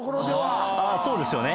そうですよね。